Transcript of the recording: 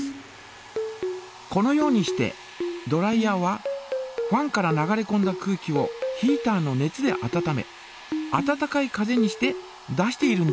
このようにしてドライヤーはファンから流れこんだ空気をヒータの熱で温め温かい風にして出しているんです。